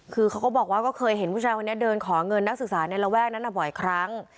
คือเขาก็บอกว่าก็เคยเห็นผู้ชายคนนี้เดินขอเงินนักศึกษาในระแวกนั้นบ่อยครั้ง